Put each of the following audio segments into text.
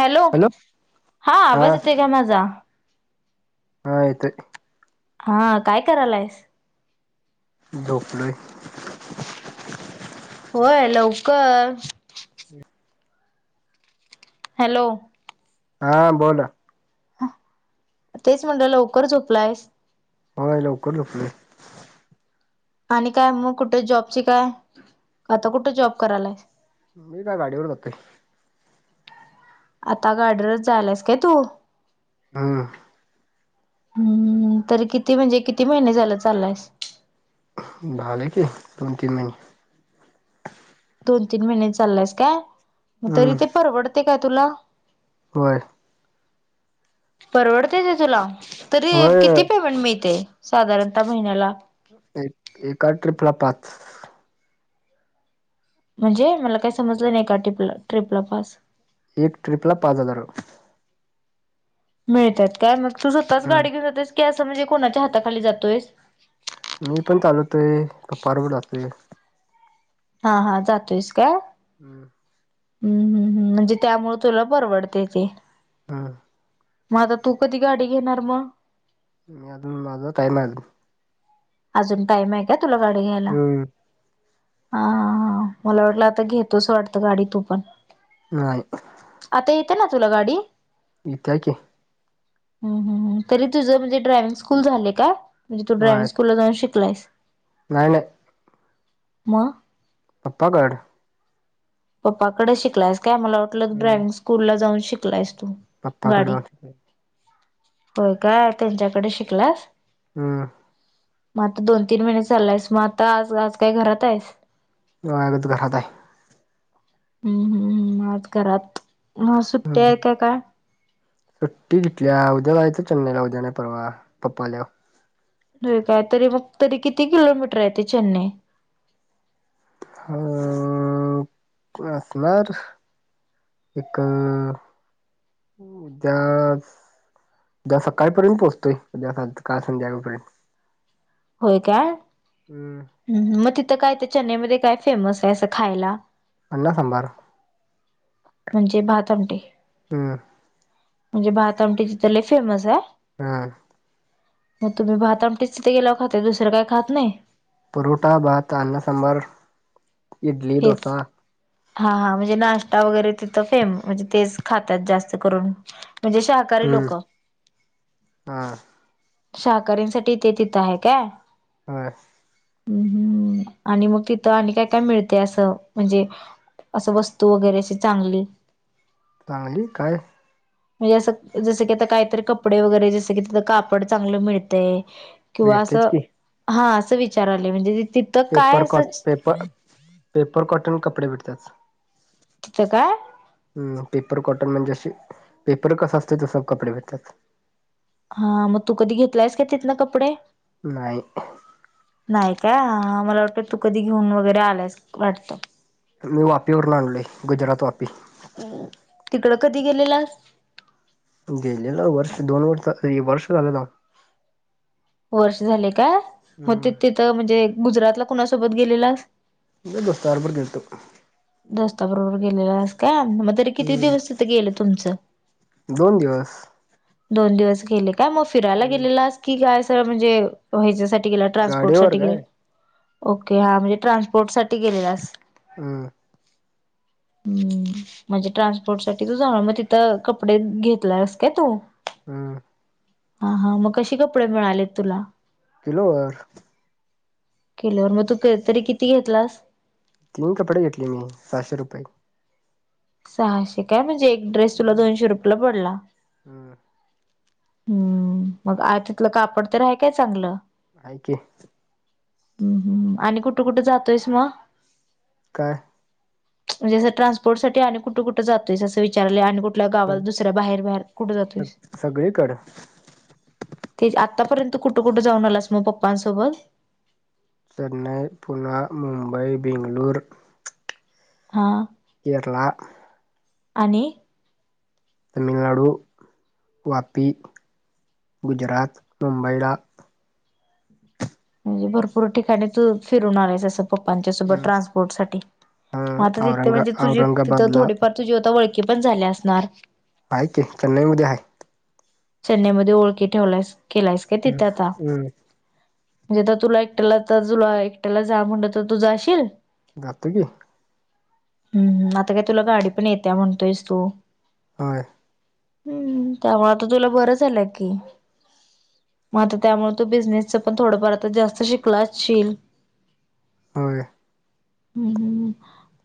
Hello, हा आवाज येतोय काय माझा? हा येतोय. हा, काय करालायस? झोपलोय. होय. लवकर. हं. हॅलो. हा बोलं. हं तेच म्हणलं लवकर झोपलायस? होय. लवकर झोपलोय. आणि काय मग कुठे जॉबची काय आता कुठं जॉब करालायस? मी काय गाडीवर जातोय. आता गाडीवरच जायालायस काय तू? हम्म. हम्म हम्म, हम्म. तरी किती म्हणजे किती महिने झालं चाललायस? झालं की दोन तीन महिने. दोन तीन महिने चाललायस काय मग तरी हम्म ते परवडतयं काय तुला? होय. परवडतयं ते तुला तरी होय किती पेमेंट मिळतंय? साधारणता महिन्याला? एक एका ट्रिपला पाच. म्हणजे मला काही समजलं नाही. एका ट्रिप ट्रिपला पाच. एक ट्रिपला पाच हजार रुपये. मिळतात काय? मग तू स्वतःच गाडी घेऊन जातोयस कि असं तू म्हणजे कोणाच्या हाताखाली जातोयसं? मी पण चालवतोय. पप्पा बरोबर जातोय. हा. हा. जातोयस काय? हम्म. हम्म, हम्म, हम्म. म्हणजे त्यामुळे तुला परवडतयं ते. हं. म आता तू कधी गाडी घेणार म? मी अजून माझा टाईम हाय अजून. अजून टाईम हाय काय तुला गाडी घ्यायला? अजून हा, हा, हा. मला वाटलं आता घेतोसं वाटतं गाडी तू पण. नाही. आता येते ना तुला गाडी? इत्या की. हम्म, हम्म, हम्म. तरी तुझं म्हणजे ड्रायविंग स्कूल झालयं काय? म्हणजे तू ड्रायविंग होय तू जाऊन शिकलायस. नाही. नाही. म. पप्पाकड पप्पाकडं शिकलायस काय मला वाटलं ड्रॉइविंग स्कूल ला जाऊन शिकलायस. तू. गाडी पप्पाकडं असतोय. होय काय त्यांच्याकडे शिकलास? हम्म. म आत्ता दोन तीन महिने चाललायस मग आत्ता आज आज काय घरात आहेस? म आज आता घरात आहे. हम्म हम्म हम्म आज घरात म आज सुट्टी आहे का काय? सुट्टी घितल्या उद्या जायचं चेन्नईला उद्या नाही परवा पप्पा आल्यावर नाही [unintelligible] काय तरी मग तरी किती किलोमीटर आहे ते चेन्नई ह असणार एक जज [unintelligible] उद्या सकाळपर्यंत पोहोचतोय उद्या काल [unintelligible] संध्याकाळपर्यंत होय काय हम्म हम् म काय ते चेन्नईमध्येध्ये काय फेमस आहे असं खायला. अण्णा सांबार म्हणजे भातआमटी हम्म म्हणजे बातआमटी तिथ लय फेमस आहे. हा. मग तुम्ही भात आमटीच तिथ गेलाय खाताय दुसरं काही खात नाही. परोठा भात अना सांबर इडली हेच डोसा हा हा म्हणजे नाश्ता वगैरे तिथं फेम म्हणजे तेच खातात जास्त करून म्हणजे शाहकारी हम्म लोक हा शाकाऱ्यांसाठी ते तिथं आहे काय? ह [unintelligible] हम् हम्म आणि मग तिथं आणि काय काय मिळत. ते असं म्हणजे असं वस्तू वगैरेशी चांगली. चांगली काय? म्हणजे असं जसं की आता काहीतरी कपडे वगैरे जसं की आ कापड चांगलं मिळतंय. किंवा अस भेटतेच की हा अस विचारलोय म्हणजे तिथं काय पेपर कॉट असंच [unintelligible] पेपर पेपर कॉटन कपडे भेटतात. तिथं काय? हम् पेपर कॉटन म्हणजेशी पेपर कसं असत तस कपडे भेटत्यात हा मग तू कधी घेतलायस का तिथन कपडे नाही. नाही का हा मला वाटत तू कधी घेऊन वगैरे आल्यास वाटत. मी वापीवर आणलोय गुजरात वापी तिकडं कधी घेलेलास गेलेलो वर्ष दोन वर्ष वर्ष झालं जाऊन वर्ष झाले काय मग हम्म. ते तिथं म्हणजे गुजरातला कुणासोबत गेलेलास. म [unintelligible] दोस्ताबरोबर गेलतो. दोस्ताबरोबर गेलेलास का? मग [unintelligible] तरी किती हम्म. दिवस गेलं तुमचं दोन दिवस. दोन दिवस गेले काय मग फिरायला हम्म. गेलेलास की काय सर [unintelligible] म्हणजे ह्याच्यासाठी े ट्रान्सपोर्ट गाडीवर साठी गे काय ओके हा म्हणजे ट्रान्सपोर्ट साठी गेलेलास हम. हम् म्हणजे ट्रान्सपोर्ट साठी तू झा मग तिथं कपडे घेतलास काय तू हम्. हा हा मग कशी कपडे मिळालेत तुला किलो वर. किलोवर मग तू तरी किती घेतलास. तीन कपडे घेतले मी सहाशे रुपये सहाशे काय म्हणजे एक ड्रेस तुला हम्म. दोनशे रुपयला पडला. हम्म हम्म मग आ तिथलं कापड तर हाय काय चांगलं. हाय की हम्म हम् आणि कुठं कुठं जातोयस मग काय. म्हणजे असं ट्रान्सपोर्ट सा आणि कुठे-कुठं जातोयसं विचारलं आणि कुठ कुठल्या गावाल दुसऱ्या बाहेर-बाहेर कुठे जातोयस सगळीकडं ते आतापर्यंत कुठं-कुठं जाऊन आलास मग पप्पांसोबत. चेन्नई. पुना. मुंबई. बेंगलूर. हा. केरला आणि तामिळनाडू वापी गुजरात, मुंबईला म्हणजे भरपूर ठिकाणी तू फिरून आलंयस असं. पप्पांच्या सोबत हम्म. ट्रान्सपोर्ट साठी हा मग तिथं औरंगा आता तुझी तिथं औरंगाबादला थोडीफार तुझी ओळखी ती पण झाल्या असणार. आहे कि चेन्नई मध्ये आहे. चेन्नईमध्ये ओळखी ठेवलायसं केलायसं का हम्म तिथे आता? हम्म म्हणजे तर तुला एकट्याला तर तुला एकट्याला जा म्हणलं तर तू जाशील? जातो की. हम्म आता काय तुला गाडी पण येते म्हणतोयस तू होय. हम्म त्यामुळे आता तुला बरं झालंय की. मग आता त्यामुळे तो बिझनेसच पण थोडंफार आता जास्त शिकला असशील? होय. हम्म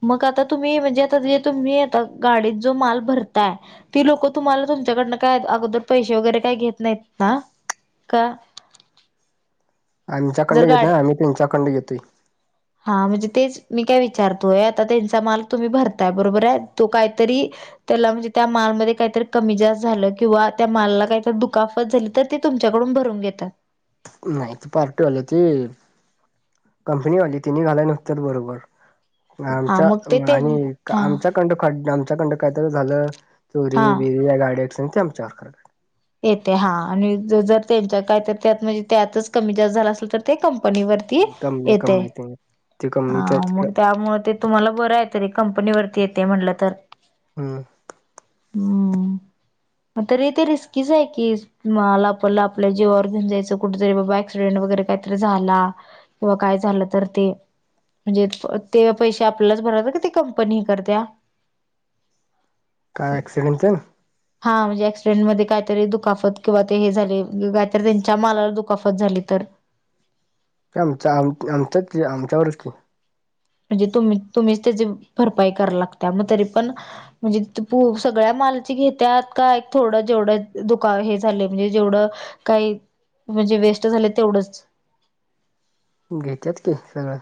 मग आता तुम्ही म्हणजे आता जे तुम्ही आता गाडीत जो माल भरताय ती लोक तुम्हाला तुमच्याकडे त्यांना काय अगोदर पैसे वगैरे काही घेत नाहीत ना का? जर आमच्याकडणं घेत गाडी नाही आम्ही तुच्याकडणं घेतोय. हा म्हणजे तेच मी काय विचारतोय आता त्यांचा माल तुम्ही भरताय बरोबर आहे तो काहीतरी त्याला म्हणजे त्या मालमध्ये काहीतरी कमी जास्त झालं किंवा त्या मालाला काहीतर दुखापत झाली तर ते तुमच्याकडून कोण भरून घेतात? नाहीत पार्टीवाली ती. कंपनी वाली तेनी घालाय नसत्यात बरोबर. हा आमच्या मग ते ते आणि हा आमच्याकड आमच्याकडन काय तरी झालं चोरी हा बिरी या गाड्या आमच्या [unintelligible] येते हा आणि जर त्यांच्या काय तर त्यात म्हणजे त्यातच कमी जास्त झालं असेल, तर ते क कंपनी वरती कंपनी येतयं. कंपनी ते ते हा कंपनीच मग तिकडं त्यामुळ ते तुम्हाला बरं आहे, तरी कंपनी वरती येते म्हटलं तर. हम. हम आता रीती रिस्क किस आहे कीस मला आपला आपल्या जीवावर घेऊन जायचं, कुठे तरी बाबा ऍक्सिडेंट वगैरे काहीतरी झाला? किंवा काय झालं तर ते म्हणजे तेव पैसे आपल्याच भराव लागतयं का ते कंपनी हे करत्या? काय एक्सिडन तेन हा म्हणजे ऍक्सिडेंट मध्ये काहीतरी दुखापत किंवा ते हे झाले, काहीतरी त्यांच्या मालावर दुखापत झाली तर? आमच आ आमचच आमच्यावरच की. म्हणजे तुम्हीच तुम्हीचं त्याची भरपाई कराय लागत्या, मग तरी पण म्हणजे सगळ्या मालची घेत्यात का थोडं जेवढं दुकाव हे झाले म्हणजे जेवढं काही म्हणजे वेस्ट झालयं तेवढंच. घेत्यात की सगळं.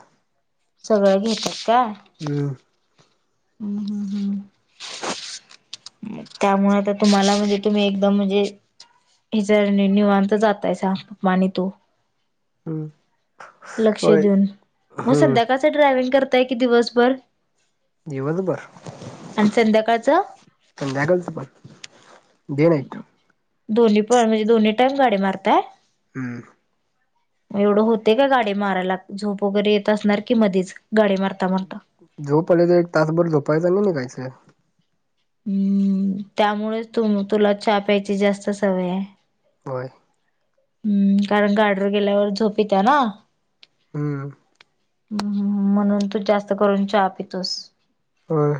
सगळं घेत्यात. हम. हम हम हम. त्यामुळे आता तुम्हाला म्हणजे तुम्ही एकदम म्हजे ही च ज निवांत जातायसा मा आणि तू हम्. लक्ष देऊन मग संध्याकाळच ड्रायविंग करताय कि दिवसभर? दिवस भर आणि संध्याकाळचं संध्याकाळच पण डे नाइट दोन्ही पण, म्हणजे दोन्ही टाइम गाडी मारताय हम्म. [inaudible] एवढं होतय काय? गाडी मारायला झोप वगैरे येत असणार की मधीच? गाडी मारता मारता जावू पर्यंत एक तासभर झोपायचा आणि निघायचं. हम्म त्यामुळेच तु तुला च्या प्यायची जास्त सवय हाय. होय. हम्म कारण गाडीवर गेल्यावर झोप यित्या ना हम्म. ह म्हणून तू जास्त करून च्या पितोस. व्हय.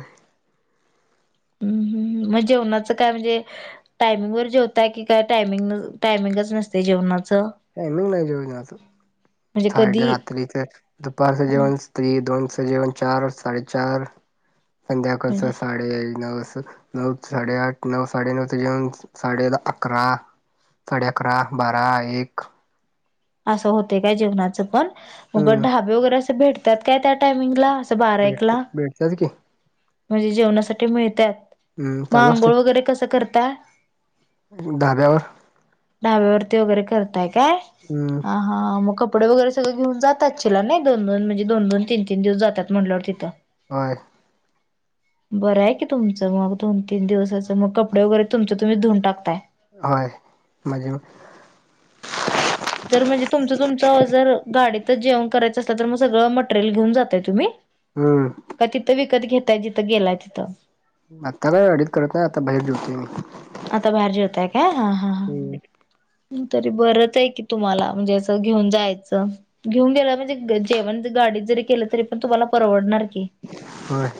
[inaudible] हम्म मग जेवणाच काय म्हणजे टायमिंग वर जेवताय, की काय टायमिंग टायमिंगच नसतय जेवणाच? टायमिंग नाहीय म्हणजे जेवन्याच [unintelligible] कधी रात्रीच दुपारच जेवण तरी स दोन जेवण चार साडेचार संध्याकाळचं साडे नऊ स नऊ सा्डे आठ नऊ सा्डे नऊ ते जेवण साडे अकरा साडे अकरा, बारा, एक असं होतय काय जेवणाचं पण, मग हम्म. ढाबे वगैरे असे भेटतात काय त्या टायमिंगला? असं बारा भेटतय, एकला भेटतज की, म्हणजे जेवणासाठी मिळत्यात हम्म मग चालू असतंय. आंघोळ वगैरे कसं करता? [unintelligible] ढाब्यावरती वगैरे करताय काय? हम्म. हा हा म कप कपडे वगैर सगळ घेऊन जात असशिला नाही, दोनोन म्हणज दोन दोन तीन तीन दिवस जातात म्हटल्यावर तिथं व्हय. बरं हाय की तुमचं मग दोन तीन दिवसाचं, मग कपडे वगैरे तुमच तुम्हीच धुऊन टाकताय. होय माझ मी तीथ जेवण करायचं असत तर मग सगळं मटेरियल घेऊन जाताय तुम्ही? हम्. का तिथं विकत घेताय तिथं गेलाय तिथं [inaudible] आता काय आडित काढत नाही आता बाहेर जेवतो मी आता बाहेर जेवताय काय? हा हा. हा. हम्म. तरी बरच हाय की, तुम्हाला म्हणजे असं घेऊन जायचं, घेऊन गेला म्हणजे जेवण तिथ गाडीत जरी केलं तरी पण तुम्हाला परवडणार की. व्हय.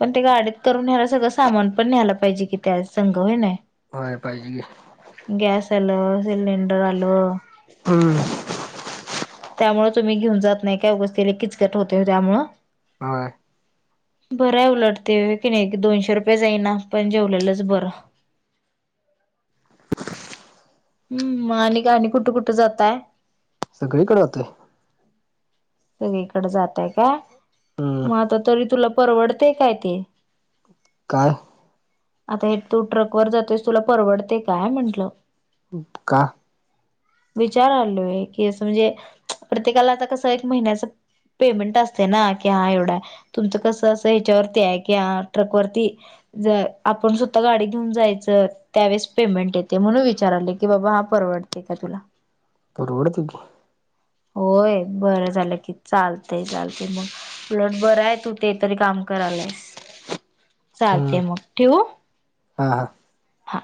पण ते गाडीत करून खायला सगळं, सामान पण न्यायला पाहिजे कि त्या संग व्हय नाई होय पाहिजे की, सिलेिंडर आल हम्म. [inaudible] त्यामूळ तुम्ही घेऊन जात नाही काय उगाच त्यान किचकट होतय त्यामुळ व्हय. बरं हाय उलट ते व्हय कणी, दोनशे रुपये जाईना पण जेवलेलंच बरं. [inaudible] हम् आणि काय आणि कुठं कुठं जातय? सगळीकडे होतय [inaudible] सगळीकडे जातय [inaudible] का हम्म मग आता तरी तुला परवडते काय ते [inaudible] काय आता हे तू ट्रक वर जातोयस तुला परवडतय काय म्हंटलं का विचारालोय की असं म्हणजे प्रत्येकाला आता कसं एक महिन्याच पेमेंट असतय ना कि हा एवढ हाय तुमचं कसं अस हेच्यावरती हाय कि हा ट्रक वरती ज आपण स्वतः गाडी घेऊन जायचं त्यावेळेस पेमेंट येतय म्हणून विचारालोय की बाबा प रवडते का तुला? परवडतय की होय बरं झालं की चालतय चालतय मग उलट बर हाय तू ते तरी काम करायलायस हम्म चालतय मग ठेवू हा हा हा